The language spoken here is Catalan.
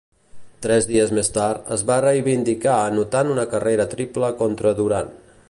Tres dies més tard, es va reivindicar anotant una carrera triple contra Durham.